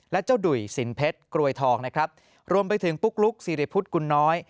และเจ้าดุ่ยสินเพชรกรวยทองนะครับรวมไปถึงปุ๊กลุ๊กสิริพุทธกุลน้อย